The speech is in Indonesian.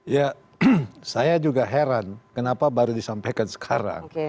ya saya juga heran kenapa baru disampaikan sekarang